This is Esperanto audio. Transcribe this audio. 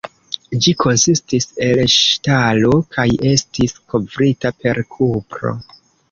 Ĝi konsistis el ŝtalo kaj estis kovrita per kupro.